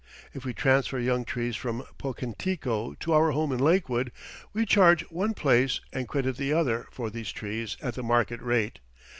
If we transfer young trees from Pocantico to our home in Lakewood, we charge one place and credit the other for these trees at the market rate.